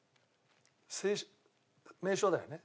正式名称だよね？